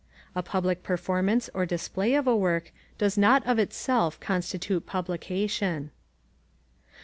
A public performance or display of a work does not of itself constitute publication.